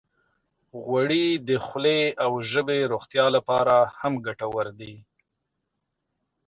غوړې د خولې او ژبې روغتیا لپاره هم ګټورې دي.